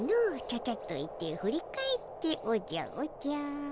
「ちゃちゃっと行って振り返っておじゃおじゃ」